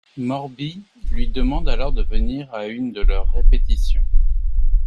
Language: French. Morbee lui demande alors de venir à une de leurs répétitions.